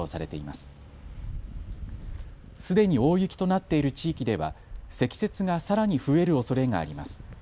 すでに大雪となっている地域では積雪がさらに増えるおそれがあります。